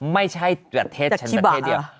ไม่ใช่ประเทศฉันประเทศเดียว